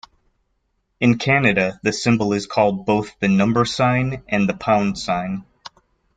In Canada the symbol is called both the "number sign" and the "pound sign".